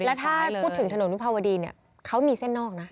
และถ้าพูดถึงถนนมุพพวดีเขามีเส้นนอกนะ